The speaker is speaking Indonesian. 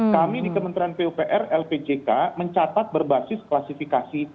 kami di kementerian pupr lpck mencatat berbasis klasifikasi